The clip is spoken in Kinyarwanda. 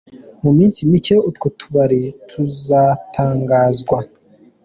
Mu minsi micye, utwo tubari, tukazatangazwa.